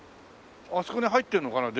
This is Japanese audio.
あそこに入ってるのかな？